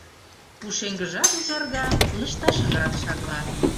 Пушеҥгыжат ужарга, лышташыжат шарла